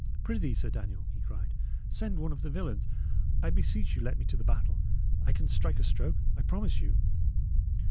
"Prithee, Sir Daniel," he cried, "send one of the villains! I beseech you let me to the battle. I can strike a stroke, I promise you."